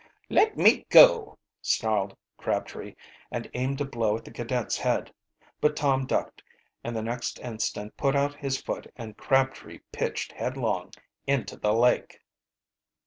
"Let me go!" snarled Crabtree, and aimed a blow at the cadet's head. But Tom ducked, and the next instant put out his foot and Crabtree pitched headlong into the lake.